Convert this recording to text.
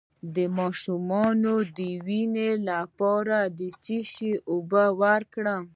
د ماشوم د وینې لپاره د څه شي اوبه ورکړم؟